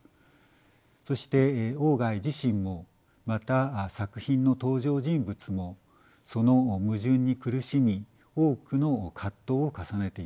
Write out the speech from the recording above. そして外自身もまた作品の登場人物もその矛盾に苦しみ多くの葛藤を重ねています。